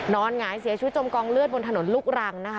นอนหงายเสียชีวิตจมกองเลือดบนถนนลุกรัง